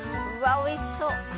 おいしそう。